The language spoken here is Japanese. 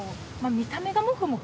見た目がモフモフ？